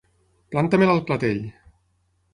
Planta-me-la al clatell!